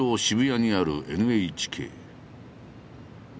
渋谷にあるＮＨＫ。